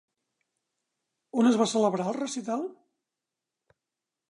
On es va celebrar el recital?